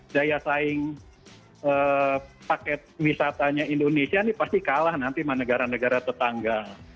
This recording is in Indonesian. daya saing paket wisatanya indonesia ini pasti kalah nanti sama negara negara tetangga